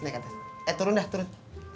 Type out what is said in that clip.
eh turun dah turun